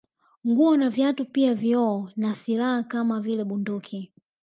Nguo na viatu pia vioo na silaha kama vile bunduki